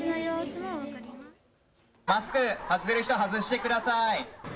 マスク外せる人、外してください。